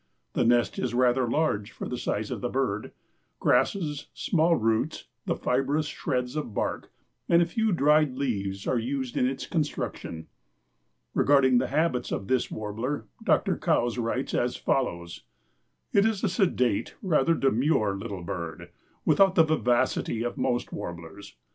The nest is rather large for the size of the bird. Grasses, small roots, the fibrous shreds of bark and a few dried leaves are used in its construction. Regarding the habits of this warbler Dr. Coues writes as follows: "It is a sedate, rather a demure, little bird, without the vivacity of most warblers.